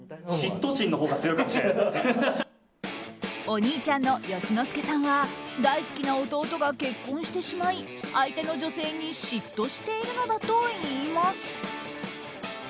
お兄ちゃんの佳之介さんは大好きな弟が結婚してしまい相手の女性に嫉妬しているのだといいます。